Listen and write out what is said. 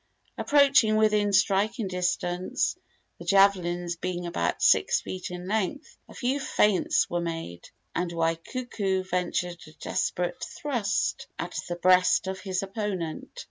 Approaching within striking distance the javelins being about six feet in length a few feints were made, and Waikuku ventured a desperate thrust at the breast of his opponent.